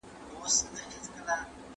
د لېوه سترګي سوې سرې په غړومبېدو سو